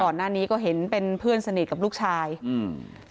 ก่อนหน้านี้ก็เห็นเป็นเพื่อนสนิทกับลูกชายอืม